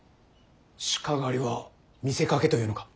鹿狩りは見せかけというのか。